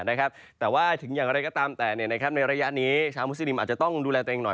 แต่ว่าถึงอย่างไรก็ตามแต่ในระยะนี้ชาวมุสลิมอาจจะต้องดูแลตัวเองหน่อย